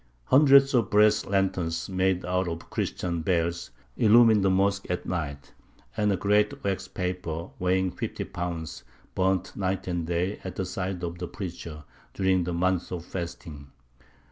Hundreds of brass lanterns, made out of Christian bells, illumined the mosque at night, and a great wax taper, weighing fifty pounds, burnt night and day at the side of the preacher during the month of fasting.